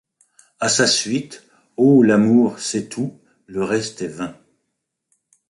A sa suite. Oh ! l'amour, c'est tout ; le reste est vain.